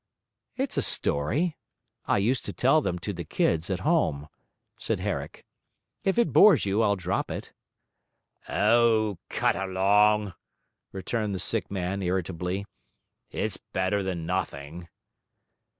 'It's a story; I used to tell them to the kids at home,' said Herrick. 'If it bores you, I'll drop it.' 'O, cut along!' returned the sick man, irritably. 'It's better than nothing.'